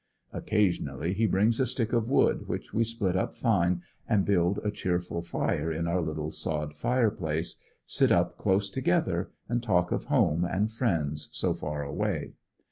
Occa sionally he brings a stick of w^ood which we split up fine and build a cheerful fire in our little sod fireplace, sit up close together and talk of home and friends so far away.